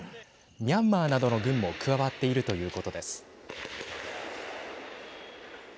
ミャンマーなどの軍も加わっているということです。